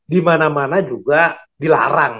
dimana mana juga dilarang